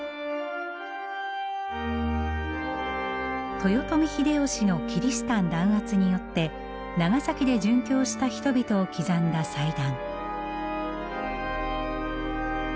豊臣秀吉のキリシタン弾圧によって長崎で殉教した人々を刻んだ祭壇。